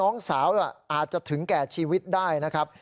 น้องสาวอาจจะถึงแก่ชีวิตได้นะครับ